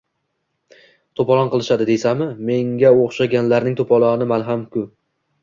To‘polon qilishadi, deysanmi? Menga o‘shalarning to‘poloni malham-ku